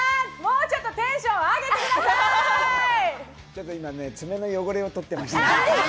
ちょっと今、爪の汚れを取ってました。